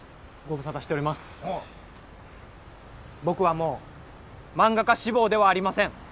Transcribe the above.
僕はもう漫画家志望ではありません。